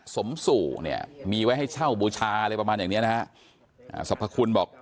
สมสู่เนี่ยมีไว้ให้เช่าบูชาเลยประมาณอย่างนี้นะฮะทรัพย์คุณบอก